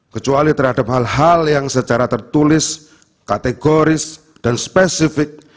kecuali terhadap hal hal yang secara tertulis kategori dan spesifik